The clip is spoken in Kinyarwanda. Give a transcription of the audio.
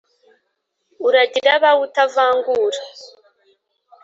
Uragire abawe utavangura